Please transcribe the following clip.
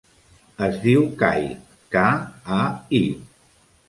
Es diu Kai: ca, a, i.